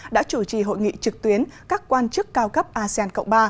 đã chủ trì hội nghị trực tuyến các quan chức cao cấp asean cộng ba